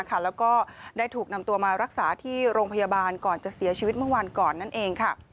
แล้วก็ได้ถูกนำตัวมารักษาที่โรงพยาบาลก่อนจะเสียชีวิตเมื่อวันก่อนนั่นเอง